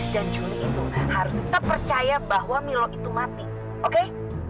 dan juli itu harus tetap percaya bahwa milo itu mati oke